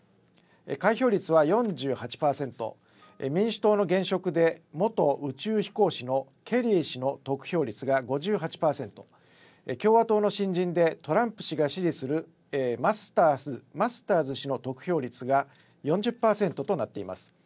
開票率は４８％、民主党の現職で元宇宙飛行士のケリー氏の得票率が５８％、共和党の新人でトランプ氏が支持するマスターズ氏の得票率が４０％となっています。